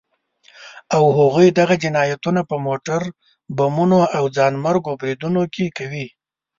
او هغوی دغه جنايتونه په موټر بمونو او ځانمرګو بريدونو کې کوي.